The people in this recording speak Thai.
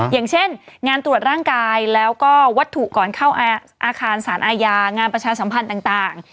อย่างเช่นงานตรวจร่างกายแล้วก็วัตถุก่อนเข้าอาคารสารอาญางานประชาสัมพันธ์ต่าง